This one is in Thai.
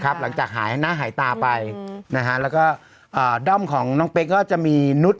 หลังจากหายหน้าหายตาไปนะฮะแล้วก็ด้อมของน้องเป๊กก็จะมีนุษย